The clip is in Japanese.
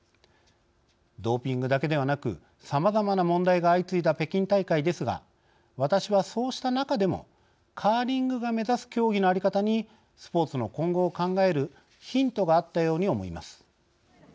ドーピングだけではなくさまざまな問題が相次いだ北京大会ですが私はそうした中でもカーリングが目指す競技の在り方にスポーツの今後を考えるヒントがあったように思います。